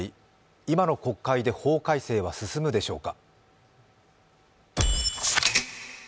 今の国会で法改正は進むでしょうか。